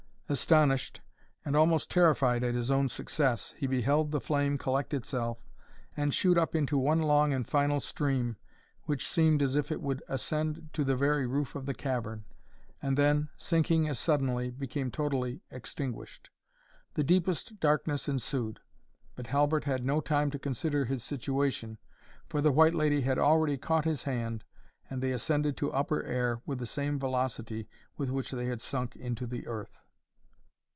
Astonished, and almost terrified at his own success, he beheld the flame collect itself, and shoot up into one long and final stream, which seemed as if it would ascend to the very roof of the cavern, and then, sinking as suddenly, became totally extinguished. The deepest darkness ensued; but Halbert had no time to consider his situation, for the White Lady had already caught his hand, and they ascended to upper air with the same velocity with which they had sunk into the earth.